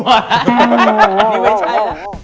อันนี้ไม่ใช่